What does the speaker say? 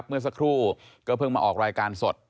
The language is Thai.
เมื่อสักครู่ก็เพิ่งมาออกรายการสด